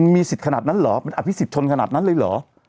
มีสิทธิ์ขนาดนั้นหรอมันอภิสิทธิ์ชนขนาดนั้นเลยหรอ